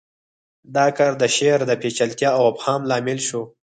دا کار د شعر د پیچلتیا او ابهام لامل شو